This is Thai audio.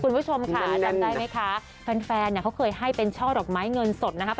คุณผู้ชมค่ะจำได้ไหมคะแฟนเนี่ยเขาเคยให้เป็นช่อดอกไม้เงินสดนะครับ